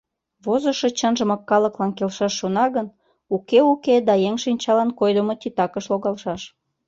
Возышо чынжымак калыклан келшаш шона гын, уке-уке да еҥ шинчалан койдымо титакыш логалшаш.